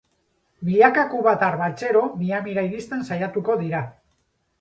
Milaka kubatar baltsero Miamira iristen saiatuko dira.